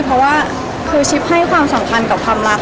เพราะว่าคือชิปให้ความสำคัญกับความรัก